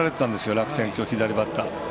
楽天、今日、左バッター。